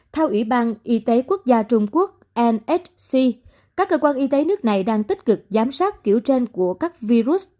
theo ủy ban y tế quốc gia trung quốc msc các cơ quan y tế nước này đang tích cực giám sát kiểu trên của các virus